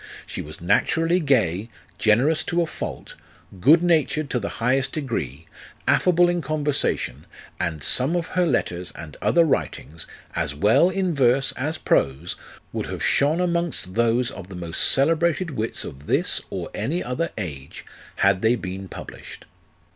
She was naturally gay, generous to a fault, good natured to the highest degree, affable in conversation, and some of her letters and other writings, as well in verse as prose, would have shone amongst those of the most celebrated wits of this, or any other age, had they been published.